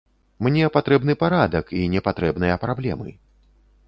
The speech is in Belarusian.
Мне патрэбны парадак і не патрэбныя праблемы.